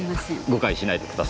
誤解しないでください。